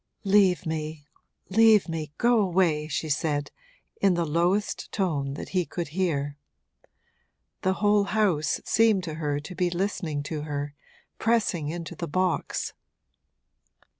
'Leave me, leave me, go away!' she said, in the lowest tone that he could hear. The whole house seemed to her to be listening to her, pressing into the box.